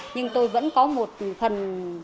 nhưng tôi vẫn có một phần